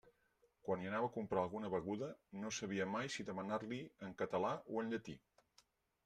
Quan hi anava a comprar alguna beguda, no sabia mai si demanar-la-hi en català o en llatí.